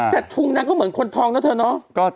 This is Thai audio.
แต่ทุงนางก็เหมือนคนทองนะเธอเนาะ